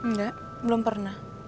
nggak belum pernah